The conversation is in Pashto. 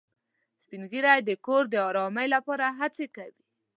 سپین ږیری د کور د ارامۍ لپاره هڅې کوي